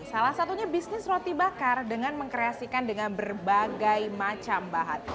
salah satunya bisnis roti bakar dengan mengkreasikan dengan berbagai macam bahan